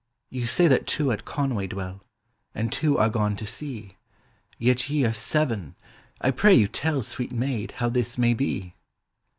" Vou say that two at Conway dwell. And two are gone to sea. Yet ye are seven! I pray vou tell. Sweet maid, how this may be."